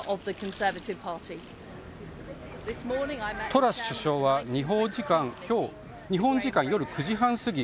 トラス首相は日本時間今日夜９時半過ぎ